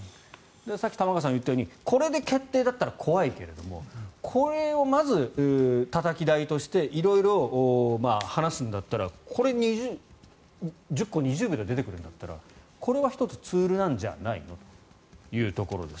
さっき玉川さんが言ったようにこれで決定だったら怖いけどもこれをまずたたき台として色々話すんだったらこれ、１０個２０秒で出てくるんだったらこれは１つ、ツールなんじゃないのというところです。